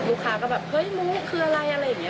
ลูกค้าก็แบบเฮ้ยมุ้งคืออะไรอะไรอย่างนี้